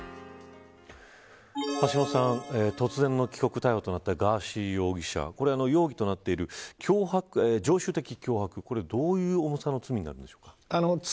橋下さん、突然の帰国逮捕となったガーシー容疑者容疑となっている常習的脅迫これ、どういう重さの罪になるんでしょうか。